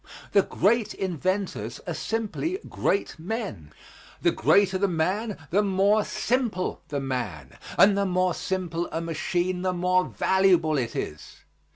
The great inventors are simply great men; the greater the man the more simple the man; and the more simple a machine, the more valuable it is.